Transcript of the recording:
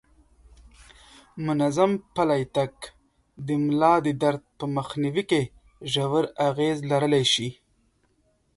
منظم پلی تګ د ملا د درد په مخنیوي کې ژور اغیز لرلی شي.